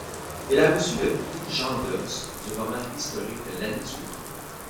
Il a reçu le prix Jean d'Heurs du roman historique l'année suivante.